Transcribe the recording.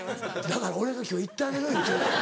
だから俺が今日行ってあげる言うてるやん。